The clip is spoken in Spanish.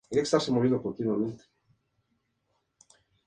La corteza es castaño-rosada.